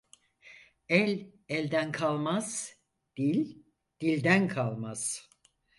El elden kalmaz, dil dilden kalmaz.